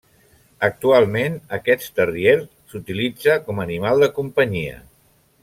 Actualment aquest Terrier s'utilitza com animal de companyia.